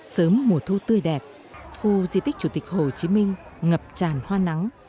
sớm mùa thu tươi đẹp khu di tích chủ tịch hồ chí minh ngập tràn hoa nắng